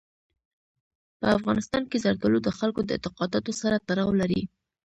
په افغانستان کې زردالو د خلکو د اعتقاداتو سره تړاو لري.